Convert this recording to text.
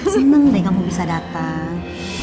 senang deh kamu bisa datang